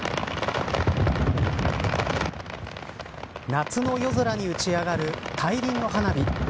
夏の夜空に打ち上がる大輪の花火。